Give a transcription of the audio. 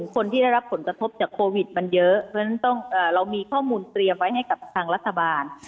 คนที่ได้รับผลกระทบจากโควิดมันเยอะเพราะฉะนั้นเรามีข้อมูลเตรียมไว้ให้กับทางรัฐบาล